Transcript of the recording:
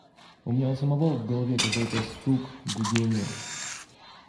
У меня у самого в голове какой-то стук, гудение.